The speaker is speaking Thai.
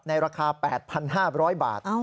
ราคา๘๕๐๐บาท